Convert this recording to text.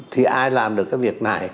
thì ai làm được cái việc này